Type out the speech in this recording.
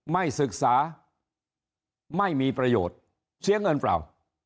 ไม่ศึกษาไม่มีประโยชน์เสียเงินเปล่า